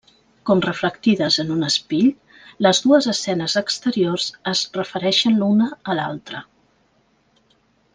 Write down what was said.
Com reflectides en un espill, les dues escenes exteriors es refereixen una a l'altra.